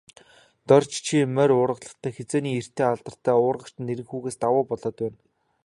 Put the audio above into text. Дорж чи морь уургалахдаа, хэзээний нэртэй алдартай уургач Нэрэнхүүгээс давуу болоод байна.